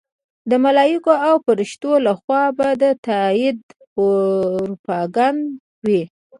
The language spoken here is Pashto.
د ملایکو او فرښتو لخوا به د تایید پروپاګند وي.